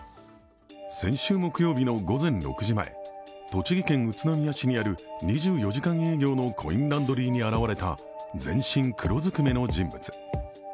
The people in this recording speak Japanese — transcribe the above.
先週木曜日の午前６時前、栃木県宇都宮市にある２４時間営業のコインランドリーに現れた全身黒ずくめの人物。